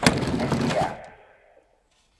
Andirá